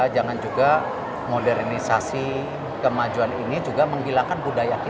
jangan juga modernisasi kemajuan ini juga menghilangkan budaya kita